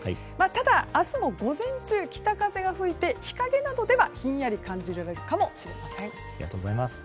ただ、明日も午前中北風が吹いて日陰などではひんやり感じるかもしれません。